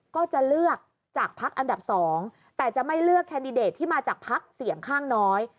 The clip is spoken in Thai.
ก็จะเลือกจากพักอันดับ๒แต่จะไม่เลือกแคนดิเดตที่มาจากพักเสี่ยงข้างน้อย